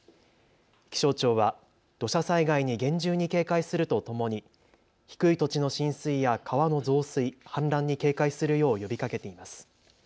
気象庁は土砂災害に厳重に警戒するとともに低い土地の浸水や川の増水、氾濫に警戒するよう呼びかけています。